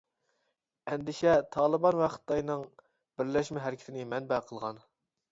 ئەندىشە تالىبان ۋە خىتاينىڭ بىرلەشمە ھەرىكىتىنى مەنبە قىلغان.